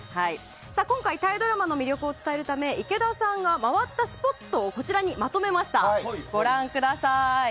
今回タイドラマの魅力を伝えるため池田さんが回ったスポットをこちらにまとめました。